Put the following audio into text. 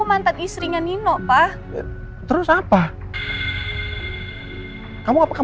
ada masalah pak